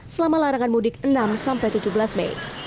selama larangan mudik enam tujuh belas mei